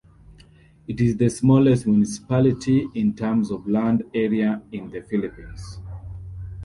It is the smallest municipality in terms of land area in the Philippines.